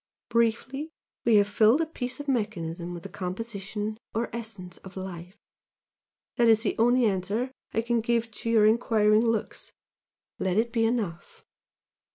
Briefly we have filled a piece of mechanism with the composition or essence of Life! that is the only answer I can give to your enquiring looks! let it be enough!"